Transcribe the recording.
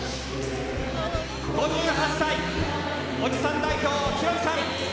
５８歳、おじさん代表、ヒロミさん。